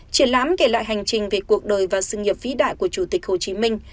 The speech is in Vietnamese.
triển lãm kể lại hành trình về cuộc đời và sự nghiệp vĩ đại của chủ tịch hồ chí minh